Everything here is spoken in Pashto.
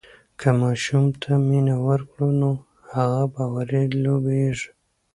که ماشوم ته مینه ورکړو نو هغه باوري لویېږي.